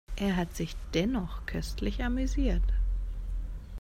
Er hat sich dennoch köstlich amüsiert.